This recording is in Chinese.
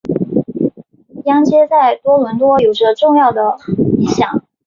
央街在多伦多有着重要的影响。